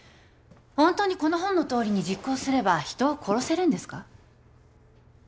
ホントにこの本のとおりに実行すれば人を殺せるんですか？